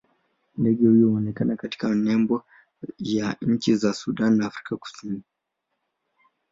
Ndege huyu huonekana katika nembo ya nchi za Sudan na Afrika Kusini.